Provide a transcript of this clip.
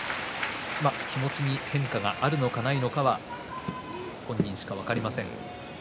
気持ちに変化があるのかどうかは本人にしか分かりません。